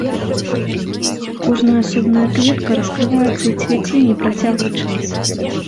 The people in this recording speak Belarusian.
Кожная асобная кветка раскрываецца і цвіце непрацяглы час.